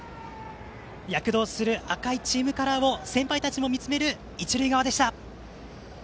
躍動する赤いチームカラーを先輩たちも見つめる一塁側でした。